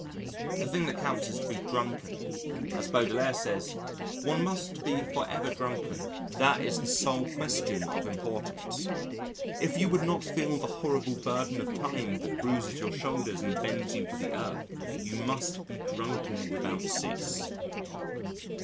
The thing that counts is to be drunken; as Baudelaire says, "One must be for ever drunken; that is the sole question of importance. If you would not feel the horrible burden of time that bruises your shoulders and bends you to the earth, you must be drunken without cease."